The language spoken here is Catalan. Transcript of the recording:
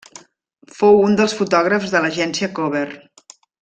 Fou un dels fotògrafs de l'agència Cover.